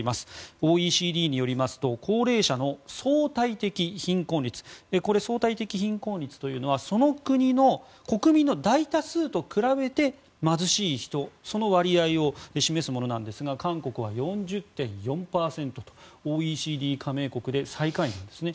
ＯＥＣＤによりますと高齢者の相対的貧困率相対的貧困率というのはその国の国民の大多数と比べて貧しい人の割合を示すものなんですが韓国は４０．４％とＯＥＣＤ加盟国で最下位なんですね。